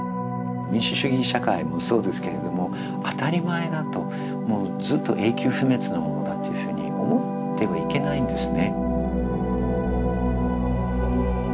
民主主義社会もそうですけれども当たり前だとずっと永久不滅のものだというふうに思ってはいけないんですね。